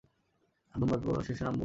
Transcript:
আমরা ধূমপান শেষে নামব, যা।